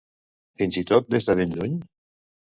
Fins i tot des de ben lluny?